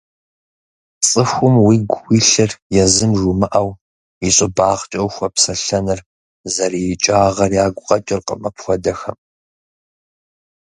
ЦӀыхум уигу хуилъыр езым жумыӀэу, и щӀыбагъкӀэ ухуэпсэлъэныр зэрыикӀагъэр ягу къэкӀыркъым апхуэдэхэм.